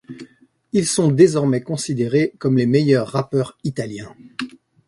Ils sont désormais considérés comme les meilleurs rappeurs italiens.